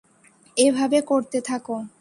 এভাবে করতে থাকো।